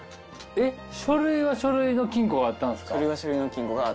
書類は書類の金庫があったんすか？